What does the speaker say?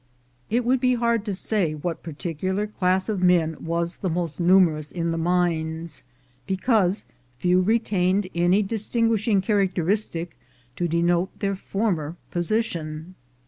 It would be hard to say what particular class of men was the most numerous in the mines, because few re tained any distinguishing characteristic to denote their former position.